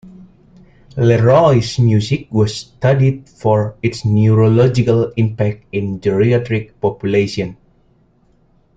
Leroy's music was studied for its neurological impact in geriatric populations.